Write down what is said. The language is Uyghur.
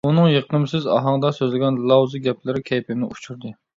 ئۇنىڭ يېقىمسىز ئاھاڭدا سۆزلىگەن لاۋزا گەپلىرى كەيپىمنى ئۇچۇردى.